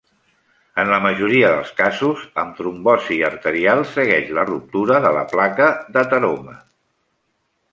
En la majoria dels casos, amb trombosi arterial segueix la ruptura de la placa d'ateroma.